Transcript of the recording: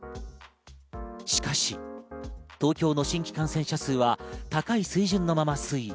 しかし、東京の新規感染者数は高い水準のまま推移。